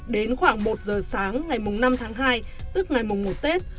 đến khoảng một giờ sáng ngày năm tháng hai tức ngày mùng một tết